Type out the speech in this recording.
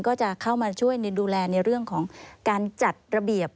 ก็จะเข้ามาช่วยดูแลในเรื่องของการจัดระเบียบ